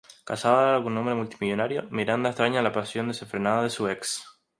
Casada ahora con un hombre multimillonario, Miranda extraña la pasión desenfrenada de su ex.